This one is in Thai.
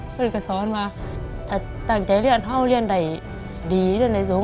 ก็เลยก็สอนว่าถ้าตั้งใจเรียนเฮ่าเรียนได้ดีเรียนได้สูง